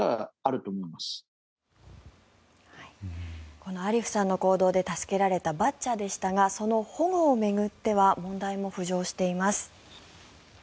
このアリフさんの行動で助けられたバッチャでしたがその保護を巡っては問題も浮上しています。